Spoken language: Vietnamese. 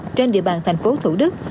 trên địa bàn thành phố thủ đức